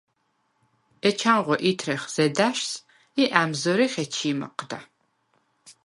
ეჩანღო ითრეხ ზედა̈შს ი ა̈მზჷრიხ ეჩი̄ მჷჴდა.